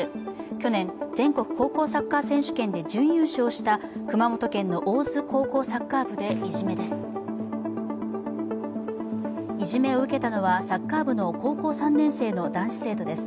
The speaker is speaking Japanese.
去年、全国高校サッカー選手権で準優勝した熊本県の大津高校サッカー部でいじめです。